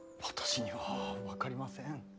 私には分かりません。